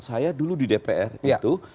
saya dulu di dpr itu